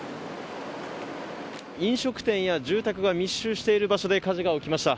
飲食店や住宅が密集している場所で火事が起きました。